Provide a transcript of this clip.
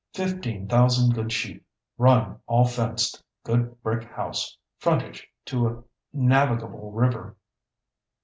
Fifteen thousand good sheep, run all fenced, good brick house, frontage to a navigable river.